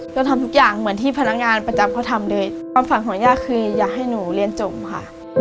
ก็ทำทุกอย่างเหมือนที่พนักงานประจำเขาทำเลยความฝันของย่าคืออยากให้หนูเรียนจบค่ะ